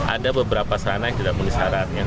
ada beberapa sarana yang tidak menulis syaratnya